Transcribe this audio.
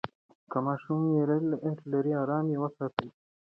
که ماشوم ویره لري، آرام یې وساتئ.